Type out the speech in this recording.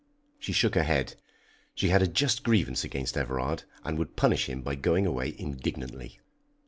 She shook her head. She had a just grievance against Everard, and would punish him by going away indignantly.